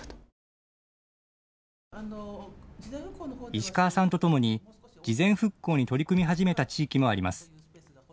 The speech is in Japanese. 石川さんとともに事前復興に取り組み始めた地域もあります。